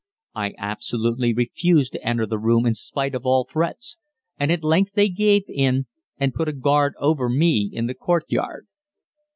I absolutely refused to enter the room in spite of all threats, and at length they gave in, and put a guard over me in the courtyard.